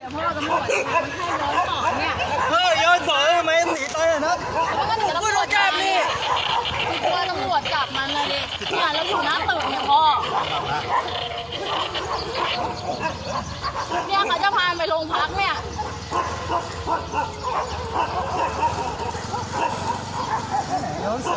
พี่ค็ากร้าภารณ์ไปโหลงพัก